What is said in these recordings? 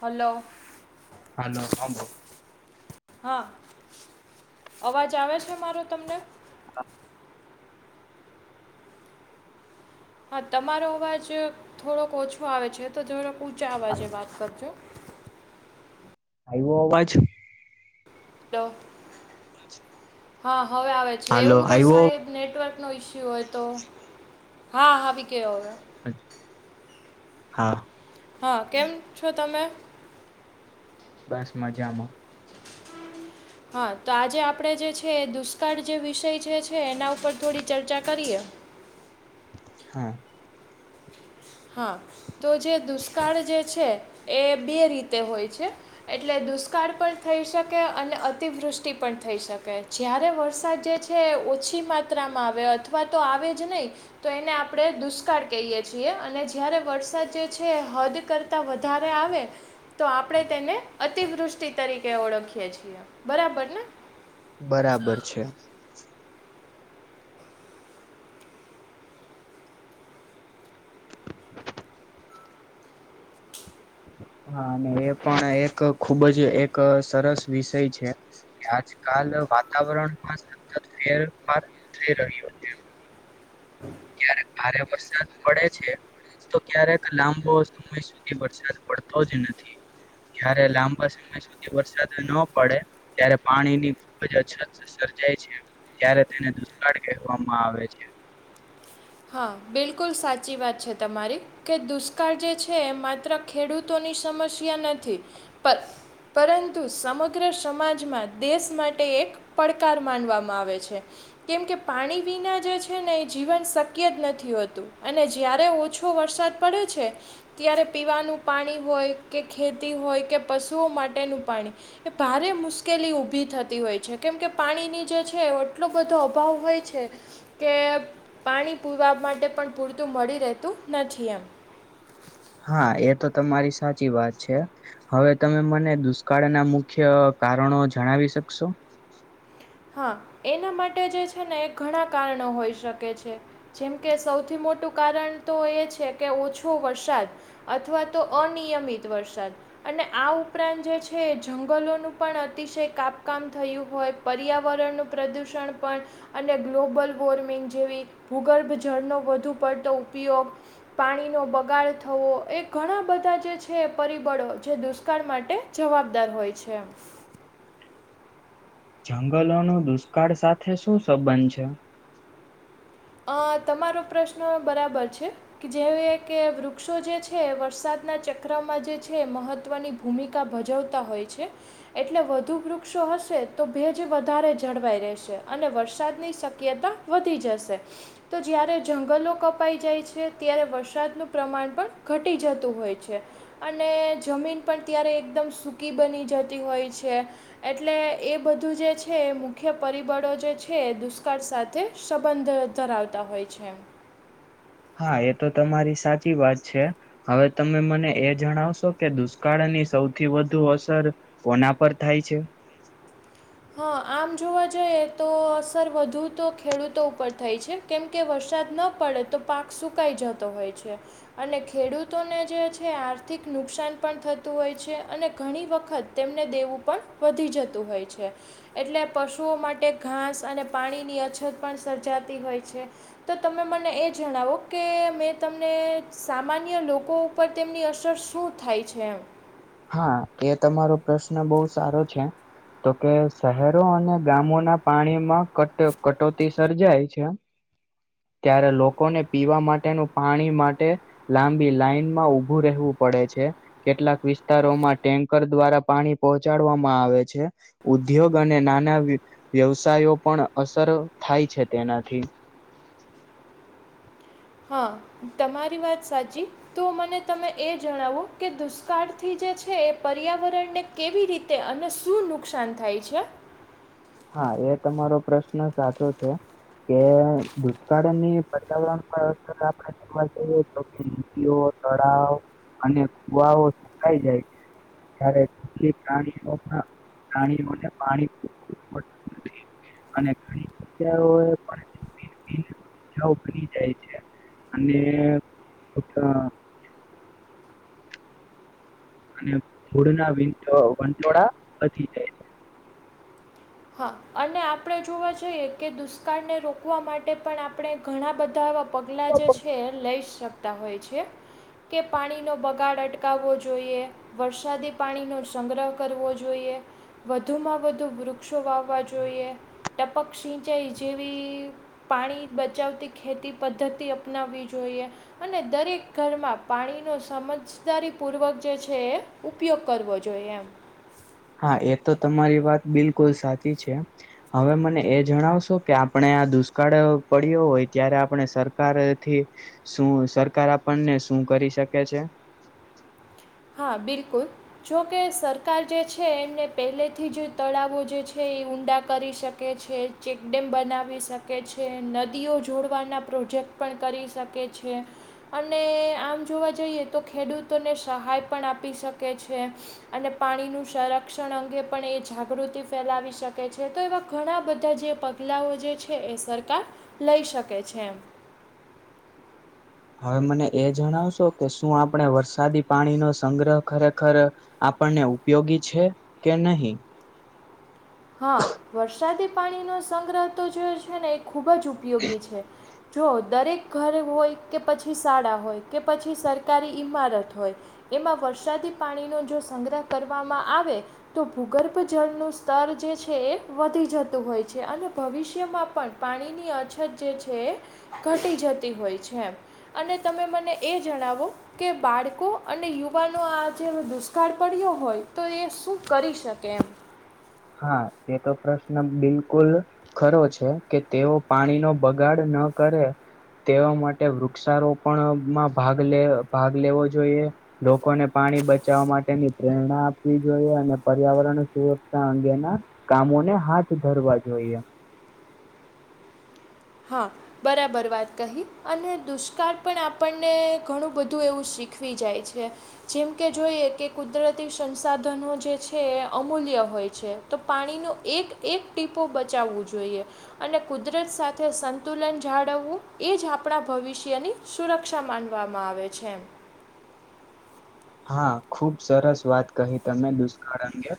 Hello- hello હા બો. હા અવાજ આવે છે મારો તમને. હા તમારો અવાજ થોડોક ઓછો આવે છે તો જરા ઊંચા અવાજે વાત કરજો. આવ્યો અવાજ. હા હવે આવે. છે હાલો એવું તો આવ્યો સાહેબ અવાજ? નેટવર્ક નો ઈસ્યુ હોય તો હા હ આવી ગયો હવે. હા. હા કેમ છો તમે. બસ મજામાં. હા તો આજે આપણે જે છે એ દુષ્કાળ જે વિષય જે છે એના ઉપર થોડી ચર્ચા કરીએ. હા. હા તો જે દુષ્કાળ જે છે એ બે રીતે હોય છે. એટલે દુષ્કાળ પણ થઈ શકે અને અતિવૃષ્ટિ પણ થઈ શકે. જ્યારે વરસાદ જે છે ઓછી માત્રામાં આવે અથવા તો આવે જ નહીં. તો એને આપડણે દુષ્કાળ કહીયએ છીએ. અને જ્યારે વરસાદ જે છે હદ કરતાં વધારે આવે. તો આપણે તેને અતિવૃષ્ટિ તરીકે ઓળખીએ છીએ બરાબર ને. બરાબર છે. હા અને એ પણ એક ખુબજ એક સરસ વિષય છે. કે આજકાલ વાતાવરણમાં સતત ફેરફાર થઈ રહ્યો છે. ક્યારે ભારે વરસાદ પડે છે. તો ક્યારેક લાંબો સમય સુધી વરસાદ પડતો જ નથી. જયારે લાંબા સમય સુધી વરસાદ ન પડે. ત્યારે પાણી ની અછત સર્જાય છે. ત્યારે તેને દુષ્કાળ કહેવામાં આવે છે. હા બિલકુલ સાચી વાત છે તમારી. કે દુષ્કાળ જે છે માત્ર ખેડૂતોની સમસ્યા નથી પર. પરંતુ સમગ્ર સમાજમાં દેશ માટે એક. પડકાર માનવામાં આવે છે કેમ કે પાણી વિના જે છે ને એ જીવન શક્. શક્ય જ નથી હોતું અને જ્યારે ઓછો વરસાદ પડ્યો છે. ત્યારે પીવાનું પાણી હોય કે ખેતી હોય કે પશુઓ માટેનું પાણી. એ ભારે મુશ્કેલી ઉઊભી થતી હોય છે કેમ કે પાણીની જે છે આટલો બધો અભાવ હોય છે. કે પાણી પુવા માટે પણ પૂરતું મળી રહેતું નથી એમ. હા એતો તમારી સાચી વાત છે. હવે તમે મને દુષ્કાળ ના મુખ્ય કારણો જણાવી શકશો. હા એના માટે જે છે ને એ ઘણા કારણો હોઈ શકે છે. જેમ કે સૌથી મોટું કારણ તો એ છે કે ઓછો વરસાદ. અથવા તો અનિયમિત વરસાદ. અને આ ઉપરાંત જે છે એ જંગલોનું પણ અતિશય કાપકામ થયું હોય. પર્યાવરણનું પ્રદૂષણ પણ. અને ગ્લોબલ વોર્મિંગ જેવી ભૂગર્ભ જળનો વધુ પડતો ઉપયોગ. પાણીનો બગાડ થવો એ ઘણા બધા જે છે પરિબળો જે દુષ્કાળ માટે. જવાબદાર હોય છે. જંગલો ન દુષ્કાળ સાથે શું સંબંધ છે. અ તમારો પ્રશ્ન બરાબર છે. જે કે વૃક્ષો જે છે વરસાદના ચક્રમાં જે છે મહત્વની. ભૂમિકા ભજવતા હોય છે. એટલે વધુ વૃક્ષો હશે તો ભેજ વધારે જળવાઈ રહેશે અને વરસાદની શક્યતા. વધી જશે. તો જ્યારે જંગલો કપાઈ જાય છે ત્યારે વરસાદનું પ્રમાણ પણ ઘટી જતું હોય છે. અને જમીન પણ ત્યારે એકદમ સૂકી બની જતી હોય છે એટલે એ બધું જે છે મુખ્ય પરિબળો જે છે દુષ્કાળ સાથે સંબંધ ધરાવતા હોય છે હા એ તો તમારી સાચી વાત છે હવે તમે મને એ જણાવશો કે દુષ્કાળની સૌથી વધુ અસર કોના પર થાય છે હા આમ જોવા જઈએ તો અસર વધુ તો ખેડૂતો ઉપર થાય છે કેમકે વરસાદ ન પડે તો પાક સુકાઈ જતો હોય છે અને ખેડૂતોને જે છે આર્થિક નુકસાન પણ થતું હોય છે અને ઘણી વખત તેમને દેવું પણ વધી જતું હોય છે એટલે પશુઓ માટે ઘાસ અને પાણીની અછત પણ સર્જાતી હોય છે તો તમે મને એ જણાવો કે મેં તમને સામાન્ય લોકો પર તેમની અસર શું થાય છે એમ હા એ તમારો પ્રશ્ન બહુ સારો છે તો કે શહેરો અને ગામોના પાણીમાં કટ કટોતી સર્જાય છે ત્યારે લોકોને પીવા માટેનું પાણી માટે લાંબી લાઈનમાં ઉભું રહેવું પડે છે કેટલાક વિસ્ વિસ્તારોમાં ટેન્કર દ્વારા પાણી પહોંચાડવામાં આવે છે ઉદ્યોગ અને નાના વ્યવસાયો પણ અસર થાય છે તેનાથી હા તમારી વાત સાચી તો મને તમે એ જણાવો કે દુષ્કાળથી જે છે એ પર્યાવરણને કેવી રીતે અને શું નુકસાન થાય છે હા એ તમારો પ્રશ્ન સાચો છે કે દુષ્કાળ ની પર્યાવરણ આપણે તળાવ અને કુવાઓ સુકાાય જાય છે ત્યારે પ્રાણીઓ પ્રાણીઓને પાણી નથી અને ઘણી જગ્યાઓ એ [unintelligible] [unintelligible] બજાઓ કરી જાય છે અને અચ્છા અને ધૂળના વિટ વંટોળા વધી જાય છે. હા અને આપડે જોવા જઈએ કે દુષ્કાળને રોકવા માટે પણ આપડે ઘણા બધા પગલાં જે છે એ લઈ જ શકતા હોય છે. કે પાણીનો બગાડ અટકાવો જોઈએ. વરસાદી પાણી નો સંગ્રહ કરવો જોઈએ વધુમાં વધુ વૃ ક્ષો વાવવા જોઈએ ટપક સિંચાઈ જેવી પાણી બચાવતી ખેતી પદ્ધતિ અપનાવી જોઈએ. અને દરેક ઘરમાં પાણી નો સમજ દારી પૂર્વક જે છે એ ઉપયોગ કરવો જોઈએ એમ. હા એ તો તમારી વાત બિલકુલ સાચી છે. હવે મને એ જણાવશો કે આપણે આ દુષ્કાળ પડ્યો હોય ત્યારે આપણે સરકારથી શું સરકાર આપણને શું કરી શકે છે. હા, બિલકુલ જોકે સરકાર જે છે એમને પહેલેથી જ તળાવો જે છે એ ઊંડા કરી શકે છે ચેકડેમ બનાવી શકે છે નદીઓ જોડવાના પ્રોજેક્ટ પણ કરી શકે છે. અને આમ જોવા જઈએ તો ખેડૂતોને સહાય પણ આપી શકે છે. અને પાણીનું સંરક્ષણ અંગે પણ એ જાગૃતિ ફેલાવી શકે છે તો એવા ઘણા બધા જે પગ ગલાઓ જે છે એ સરકાર લઈ શકે છે એમ. હવે મને એ જણાવશો કે શું આપણે વરસાદી પાણીનો સંગ્રહ ખરેખર આપણને ઉપયોગી છે કે નહીં. હા વરસાદી પાણીનો સંગ્રહ તો જે છે ને એ ખૂબ જ ઉપયોગી છે. જો દરેક ઘર હોય કે પછી શાળા હોય કે પછી સરકારી ઈમારત હોય એમાં વરસાદી પાણીનો જો સંગ્રહ કરવામાં આવે તો ભૂગર્ભ જળનું સ્ તર જે છે એ વધી જતું હોય છે અને ભવિષ્યમાં પણ પાણીની અછત જે છે ઘટી જતી હોય છે એમ અને તમે મને એ જણાવો કે બાળકો અને યુવાનો આ જેે દુષ્કાળ પડ્યો હોય તો એ શું કરી શકે એમ. હા એ તો પ્રશ્ન બિલકુલ ખરો છે કે તેઓ પાણી નો બગાડ ન કરે તેઓ માટે વૃક્ષારોપણમાં ભાગ લે ભાગ લેવો જોઈએ લોકોને પાણી બચાવવા માટેની પ્રેરણા આપવી જોઈએ અને પર્યાવરણ સુર અંગેના કામોને હાથ ધરવા જોઈએ. હા. બરાબર વાત કહી અને દુષ્કાળ પણ આપણને ઘણું બધું એવું શીખવી જાય છે. જેમ કે જોઈએ કે કુદરતી સંસાધનો જે છે એ અમૂલ્ય હોય છે. તો પાણીનો એક એક ટીપો બચાવવું જોઈએ અને કુદરત સાથ થે સંતુલન જાળવવું એ જ આપણા ભવિષ્યની સુરક્ષા માનવામાં આવે છે. હા ખુબ સરસ વાત કહી તમે દુષ્કાળ અંગે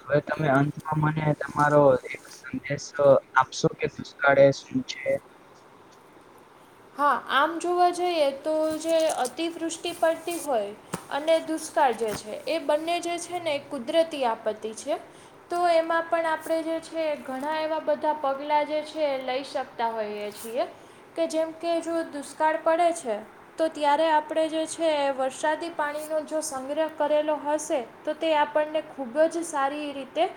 હવે તમે અંતમાં મને તમારો એ સંદેશ આપશો કે દુષ્કાળે શું છે. હા આમ જોવા જઈએ તો જે અતિવૃષ્ટિ પડતી હોય અને દુષ્કાળ જે છે એ બંને જે છે ને એક કુદરતી આપત્તિ છે. તો એમાં પણ આપણે જે છે ઘણા એવા બધા પગલા જે છે લઈ શક તા હોઈએ છીએ કે જેમ કે જો દુષ્કાળ પડે છે. તો ત્યારે આપડે જે છે વરસાદી પાણીનો જો સંગ્રહ કરેલો હશે તો તે આપણને ખૂબ જ સારી રીતે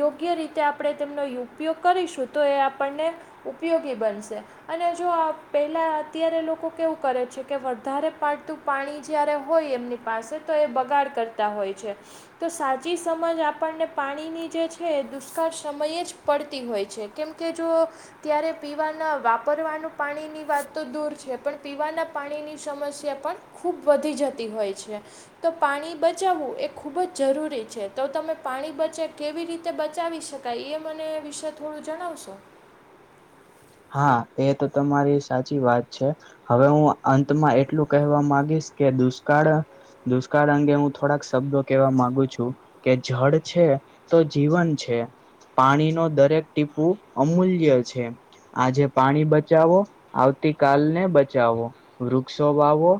યોગ્ય રીતે આપડે તેમનો ઉપયોગ કરીશું તો એ આપણને ઉપયોગી બનશે અને જો આપ પહેલાં અત્યારે લોકો કેવું કરે છે કે વધારે પાડતું પાણી જ્યારે હોય એમની પાસે તો એ બગાડ કરતા હોય છે. તો સાચી સમજ આપણને પાણીની જે છે દુષ્કાળ સમયે જ પડતી હોય છે કેમકે જો ત્યારે પીવાના વાપરવાનું પાણીની વાત તો દૂર છે પણ પીવાના પાણીની સમસ્યા પણ ખૂબ વધી જતી હોય છે. તો પાણી બચાવવું એ ખૂબ જ જરૂરી છે તો તમે પાણી બચે કેવી રીતે બચાવી શકો કંઈ એ મને એ વિશે થોડું જણાવશો. હા એ તો તમારી સાચી વાત છે. હવે હું અંતમાં એટલું કહેવા માંગીશ કે દુષ્કાળ દુષ્કાળ અંગે હું થોડાક શબ્દો કેહેવા માંગુ છું કે જળ છે તો જીવન છે પાણી ન દરેક ટીપૂ અમૂલ્ય છે. આજે પાણી બચાવો આવતી કલને બચાવો વૃક્ષો વાવો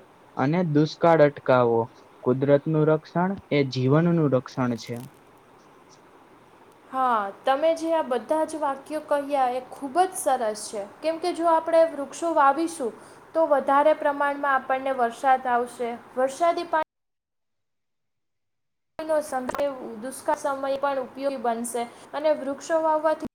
અને દુષ્કાળ અટકાવો કુદરત નું રક્ષણ એ જીવનનુંું રક્ષણ છે. હા તમે જે આ બધા જ વાક્યો કહ્યા એ ખૂબ જ સરસ છે. કેમ કે જો આપણે વૃક્ષો વાવીશું તો વધારે પ્રમાણમાં આપણને વરસાદ આવશે વરસાદી પાણી દુષ્કાળ સમય પણ ઉપયોગી બનશે અને વૃક્ષો વાવવાથી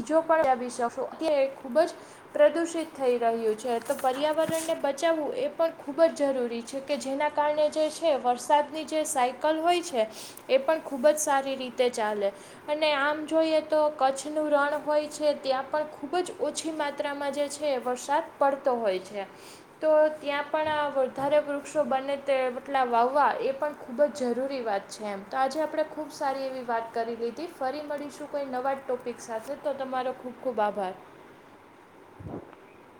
બીજો પણ ખુબ જ પ્રદૂષિત થઈ રહ્યું છે તો પર્યાવરણને બચાવવું એ પણ ખૂબ જ જરૂરી છે. જે કે જેના કારણે જે છે વરસાદની જે સાયકલ હોય છે. એ પણ ખૂબ જ સારી રીતે ચાલે અને આમ જોઈએ તો કચ્છ નું રણ હોય છે ત્યાં પણ ખૂબ જ ઓછી માત્રામાં જે છે વરસાદ પડતો હોય છે. તો ત્યાં પણ વધારે વૃક્ષો બને તે બટલા વાવવા એ પણ ખુબ જ જરૂરી વાત છે એમ તો આજે આપણે ખુબ સારી એવી વાત કરી લીધી ફરી મળીશું કોઈ નવા ટોપિક સાથે તો તમારો ખૂબ ખૂબ આભાર [inaudible]